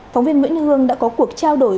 phóng viên nguyễn hương đã có cuộc trao đổi